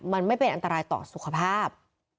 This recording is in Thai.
มันไม่เป็นอันตรายต่อสุขภาพ